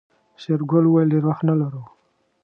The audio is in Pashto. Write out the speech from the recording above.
شېرګل وويل ډېر وخت نه لرو.